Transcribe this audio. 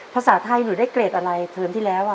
ภาษาไทยหนูได้เกรดอะไรเทอมที่แล้ว